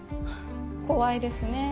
怖いですね。